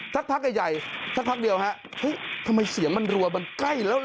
สักพักใหญ่ใหญ่สักพักเดียวฮะเฮ้ยทำไมเสียงมันรัวมันใกล้แล้ว